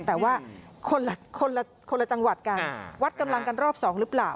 แต่ว่าคนละจังหวัดกันวัดกำลังกันรอบ๒หรือเปล่า